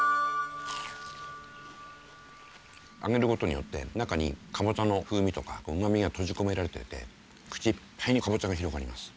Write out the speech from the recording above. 揚げる事によって中にかぼちゃの風味とかうまみが閉じ込められてて口いっぱいにかぼちゃが広がります。